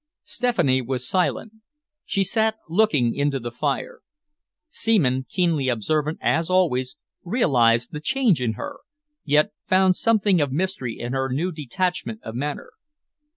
Stephanie was silent. She sat looking into the fire. Seaman, keenly observant as always, realised the change in her, yet found something of mystery in her new detachment of manner.